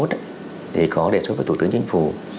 thì có đề xuất với tổng tướng chính phủ